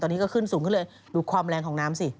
ตอนนี้ก็ขึ้นสูงขึ้นเลยดูความแรงของน้ำสิ